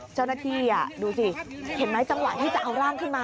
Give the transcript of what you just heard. เจ้าหน้าที่ดูสิเห็นไหมจังหวะที่จะเอาร่างขึ้นมา